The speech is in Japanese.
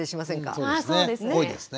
ああそうですね。